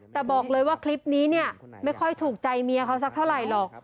แต่บอกเลยว่าคลิปนี้เนี่ยไม่ค่อยถูกใจเมียเขาสักเท่าไหร่หรอก